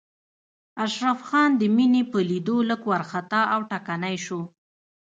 اشرف خان د مينې په ليدو لږ وارخطا او ټکنی شو.